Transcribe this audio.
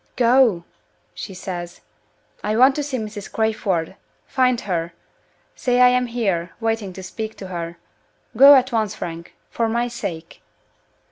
"Go!" she says. "I want to see Mrs. Crayford. Find her! Say I am here, waiting to speak to her. Go at once, Frank for my sake!"